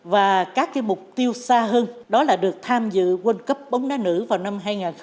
và các mục tiêu xa hơn đó là được tham dự world cup bóng đá nữ vào năm hai nghìn hai mươi